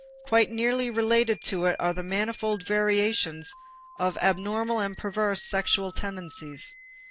Quite nearly related to it are the manifold variations of abnormal and perverse sexual tendencies.